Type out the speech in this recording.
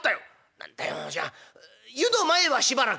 何だよじゃあ湯の前はしばらく」。